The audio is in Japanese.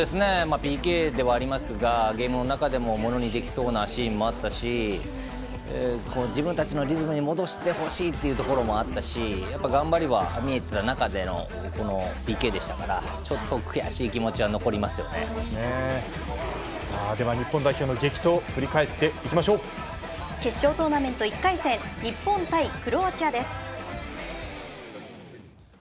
ＰＫではありますがゲームの中でも物にできそうなシーンもあったし自分たちのリズムに戻してほしいというところもあったしやっぱ頑張は見えていた中でのこのＰＫでしたからちょっと悔しい気持ちはさあでは日本代表の激闘を決勝トーナメント１回戦日本対クロアチアです。